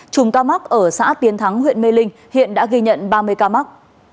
chùm ca mắc ở xã tiến thắng huyện mê linh hiện đã ghi nhận ba mươi ca mắc